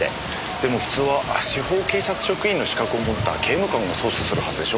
でも普通は司法警察職員の資格を持った刑務官が捜査するはずでしょ？